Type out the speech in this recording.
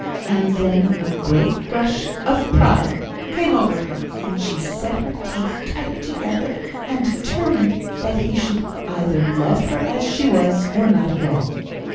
And then a great gush of pride came over her, and she set her teeth tight together, and determined that he should either love her as she was, or not at all.